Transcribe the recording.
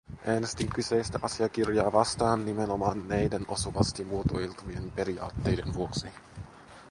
Äänestin kyseistä asiakirjaa vastaan nimenomaan näiden osuvasti muotoiltujen periaatteiden vuoksi.